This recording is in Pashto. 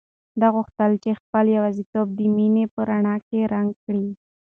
ده غوښتل چې خپله یوازیتوب د مینې په رڼا رنګ کړي.